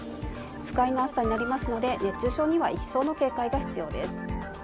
不快な暑さになりますので熱中症には一層の警戒が必要です。